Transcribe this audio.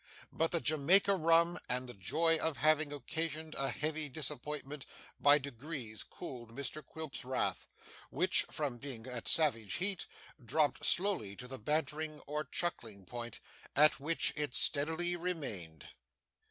But the Jamaica rum, and the joy of having occasioned a heavy disappointment, by degrees cooled Mr Quilp's wrath; which from being at savage heat, dropped slowly to the bantering or chuckling point, at which it steadily remained.